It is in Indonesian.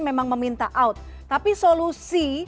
memang meminta out tapi solusi